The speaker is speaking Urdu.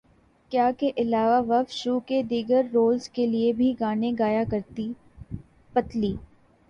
کیا کے الوا وو شو کے دیگر رولز کے لیے بھی گانے گیا کرتی پتلی